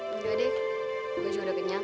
tidak adik aku juga sudah kenyang